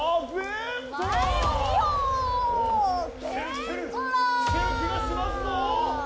きてる気がしますぞ！